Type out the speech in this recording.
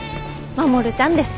まもるちゃんです。